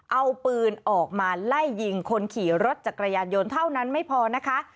เอาปืนออกมาไล่ยิงคนขี่รถจักรยานยนต์เท่านั้นไม่พอนะคะ